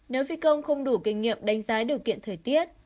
nếu phi công không đủ kinh nghiệm đánh giá điều kiện thời tiết